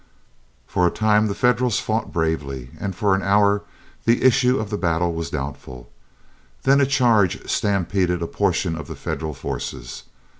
For a time the Federals fought bravely, and for an hour the issue of the battle was doubtful; then a charge stampeded a portion of the Federal forces.